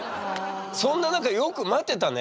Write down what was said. そんな中よく待てたね。